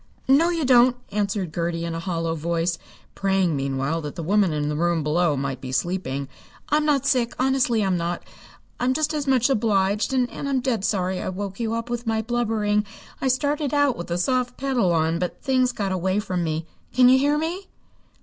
"No you don't!" answered Gertie in a hollow voice, praying meanwhile that the woman in the room below might be sleeping. "I'm not sick, honestly I'm not. I'm just as much obliged, and I'm dead sorry I woke you up with my blubbering. I started out with the soft pedal on, but things got away from me. Can you hear me?"